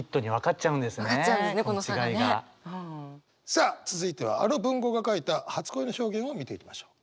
さあ続いてはあの文豪が書いた初恋の表現を見ていきましょう。